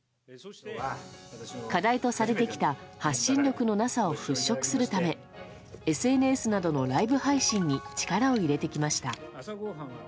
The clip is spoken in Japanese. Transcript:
課題とされてきた発信力のなさを払拭するためＳＮＳなどのライブ配信に力を入れてきました。